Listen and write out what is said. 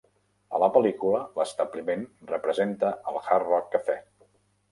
A la pel·lícula, l'establiment representa el Hard Rock Café.